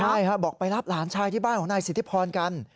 ใช่ครับบอกไปรับหลานชายที่บ้านของนายสิทธิพรกัน